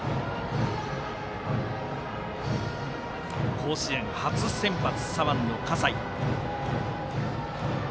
甲子園、初先発左腕の葛西。